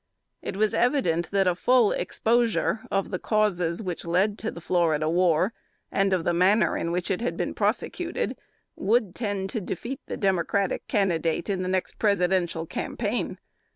It was evident, that a full exposure of the causes which led to the Florida war, and of the manner in which it had been prosecuted, would tend to defeat the Democratic candidate in the next Presidential campaign.